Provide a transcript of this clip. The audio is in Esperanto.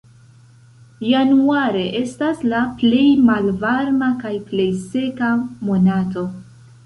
Januare estas la plej malvarma kaj plej seka monato.